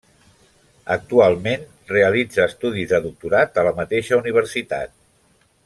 Actualment realitza estudis de doctorat a la mateixa universitat.